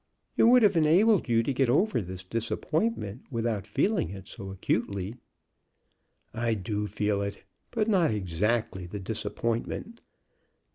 "It would have enabled you to get over this disappointment without feeling it so acutely." "I do feel it; but not exactly the disappointment.